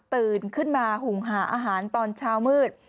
ตื่นขึ้นมาหุงหาอาหารตอนเช้ามืด